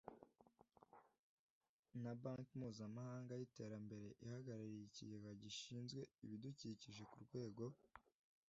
na banki mpuzamahanga y iterambere ihagarariye ikigega gishinzwe ibidukikije ku rwego